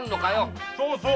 そうそう。